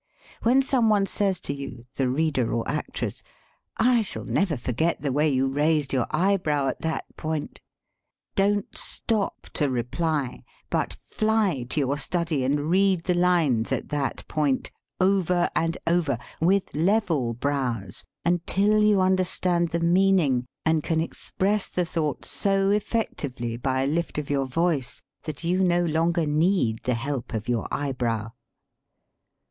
When some one says to you the reader or actress, "I shall never forget the way you raised your eyebrow at that point," don't stop to reply, but fly to your study and read the lines "at that point " over and over, with level brows, until you understand the meaning, and can express the thought so effectively by a lift of your voice that you no longer need the help of your eyebrow.